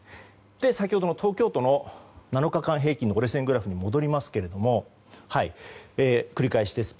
先ほどの東京都の７日間平均の折れ線グラフに戻りますが繰り返しです。